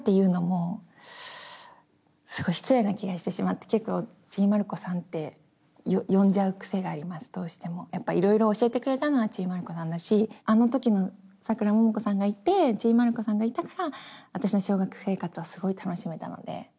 その世界がすごく憧れっていうよりはまあ一応なんか言っても私よりやっぱいろいろ教えてくれたのはちびまる子さんだしあの時のさくらももこさんがいてちびまる子さんがいたから私の小学生活はすごい楽しめたので。